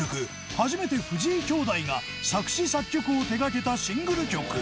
初めて藤井兄弟が作詞作曲を手掛けたシングル曲。